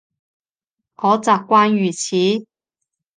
我習慣如此